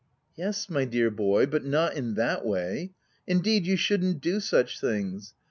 " Yes, my dear boy, but not in that way. Indeed you shouldn't do such things.